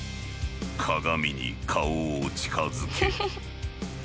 鏡に顔を近づけ。